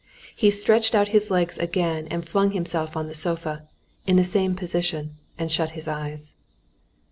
He stretched out his legs again and flung himself on the sofa in the same position and shut his eyes.